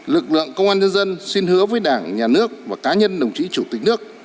lực lượng công an nhân dân xin hứa với đảng nhà nước và cá nhân đồng chí chủ tịch nước